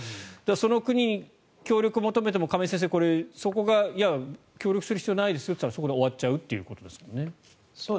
その国に協力を求めても亀井先生、これ、そこがいや、協力する必要ないですよと言ったらそこで終わっちゃうということですもんね。